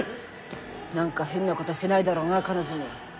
何か変なことしてないだろうな彼女に。